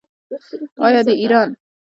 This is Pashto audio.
آیا د ایران هوايي چلند ستونزې نلري؟